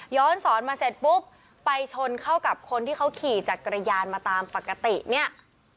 สอนมาเสร็จปุ๊บไปชนเข้ากับคนที่เขาขี่จักรยานมาตามปกติเนี่ย